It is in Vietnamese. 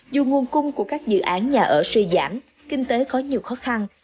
dù nguồn cung của các dự án nhà ở suy giảm kinh tế có nhiều khó khăn